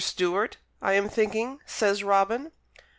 Stewart, I am thinking," says Robin.